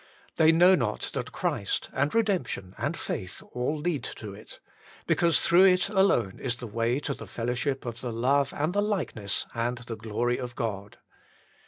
They know not that Christ, and redemption, and faith all lead to it, because through it alone is the way to the fellowship of the Love, and the Likeness, and the Glory of God.